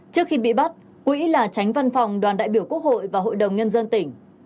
trước khi bị bắt quỹ là tránh văn phòng đoàn đại biểu quốc hội và hội đồng nhân dân tỉnh